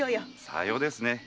さようですね。